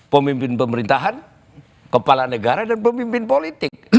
pemimpin pemerintahan kepala negara dan pemimpin politik